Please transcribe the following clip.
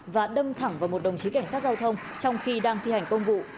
và đâm thẳng vào một đồng chí cảnh sát giao thông trong khi đang thi hành công vụ